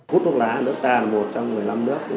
hút thuốc lá ở nước ta là một trong một mươi năm nước